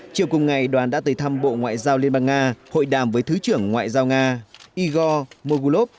chiều cùng ngày đoàn đã tới thăm bộ ngoại giao liên bang nga hội đàm với thứ trưởng ngoại giao nga igor mogulov